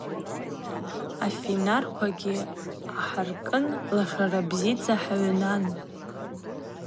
Афинарквагьи ахӏыркӏын лашарабзита хӏыгӏвнан.